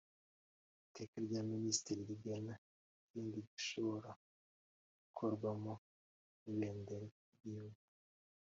Iteka rya Minisitiri rigena ikindi gishobora gukorwamo Ibendera ry Igihugu